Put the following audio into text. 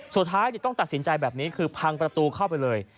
สุดท้ายต้องตัดสินใจแบบนี้คือพังประตูเข้าไปเลย